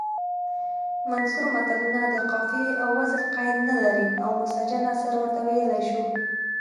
منثور متلونه د قافیې او وزن قید نلري او مسجع نثر ورته ویلی شو